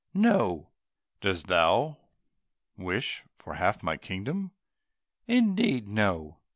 "No." "Dost thou wish for half my kingdom?" "Indeed, no."